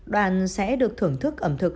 đoàn sẽ được thưởng thức ẩm thực